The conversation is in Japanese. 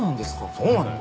そうなのよ。